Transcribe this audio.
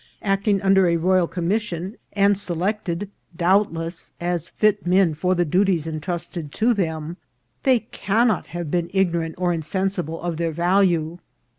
Acting under a royal commission, and selected, doubtless, as fit men for the duties intrusted to them, they cannot have been ignorant or insensible of their value.